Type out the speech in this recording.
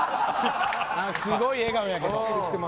すごい笑顔やけど。